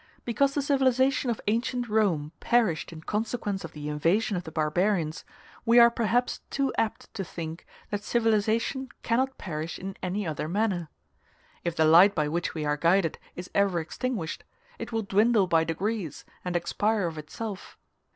Because the civilization of ancient Rome perished in consequence of the invasion of the barbarians, we are perhaps too apt to think that civilization cannot perish in any other manner. If the light by which we are guided is ever extinguished, it will dwindle by degrees, and expire of itself.